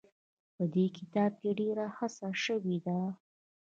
په دې کتاب کې ډېره هڅه شوې ده.